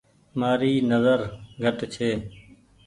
مآري نزر گھٽ ڇي۔